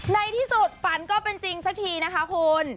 ในที่สุดฝันก็เป็นจริงสักทีนะคะคุณ